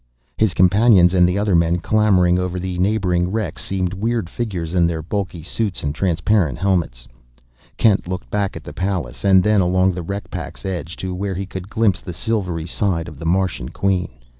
His companions and the other men clambering over the neighboring wrecks seemed weird figures in their bulky suits and transparent helmets. Kent looked back at the Pallas, and then along the wreck pack's edge to where he could glimpse the silvery side of the Martian Queen.